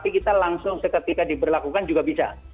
kita langsung seketika diberlakukan juga bisa